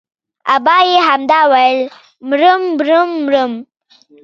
ابا يې همدا ويل مرم مرم مرم.